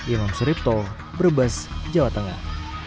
imam suripto brebes jawa tengah